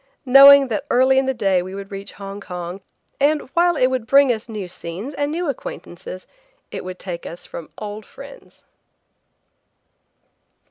Knowing that early in the day we would reach Hong Kong, and while it would bring us new scenes and new acquaintances, it would take us from old friends.